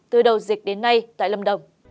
từ đầu dịch đến nay tại lâm đồng